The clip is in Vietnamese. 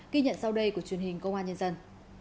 ghi nhận sau đây của truyền hình công an nhân dân